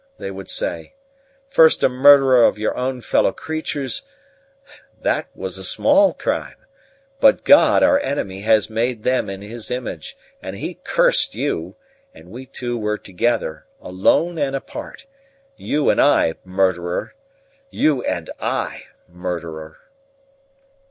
they would say; "first a murderer of your own fellow creatures that was a small crime; but God, our enemy, had made them in His image, and He cursed you; and we two were together, alone and apart you and I, murderer! you and I, murderer!"